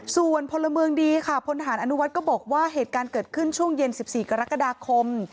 ส่วนพลเมืองดีค่ะพลฐานอนุวัฒน์ก็บอกว่าเหตุการณ์เกิดขึ้นช่วงเย็น๑๔กรกฎาคม